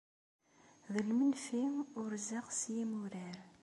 D lmenfi urzeɣ s yimurar.